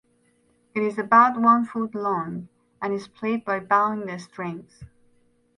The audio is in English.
It is about one foot long and is played by bowing the strings.